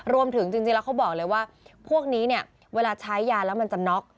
จริงแล้วเขาบอกเลยว่าพวกนี้เนี่ยเวลาใช้ยาแล้วมันจะน็อก